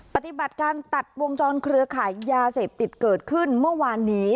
ปฏิบัติการตัดวงจรเครือขายยาเสพติดเกิดขึ้นเมื่อวานนี้